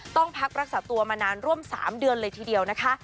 ต้องพักรักษาตัวมานานร่วม๓เดือนเลยทีเดียวนะคะ